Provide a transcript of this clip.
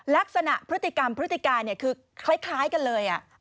ลักษณะพฤติกรรมพฤติการคือคล้ายกันเลย